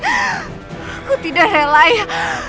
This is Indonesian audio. aku tidak rela ayah